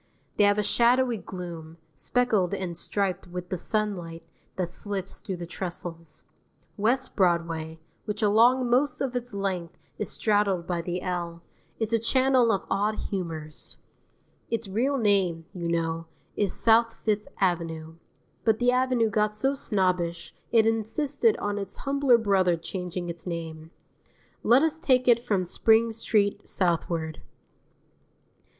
They have a shadowy gloom, speckled and striped with the sunlight that slips through the trestles. West Broadway, which along most of its length is straddled by the L, is a channel of odd humours. Its real name, you know, is South Fifth Avenue; but the Avenue got so snobbish it insisted on its humbler brother changing its name. Let us take it from Spring Street southward.